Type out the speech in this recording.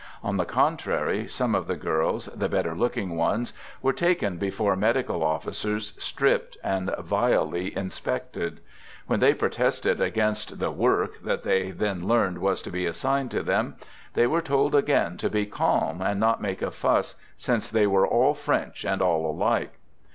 On the contrary, some of the girls, the better looking ones, were taken before medical officers, stripped and vilely inspected. When they protested against the " work " that they then learned was to be assigned to them, they were told again to be " calm " and not make a fuss, since they were " all French and all alike."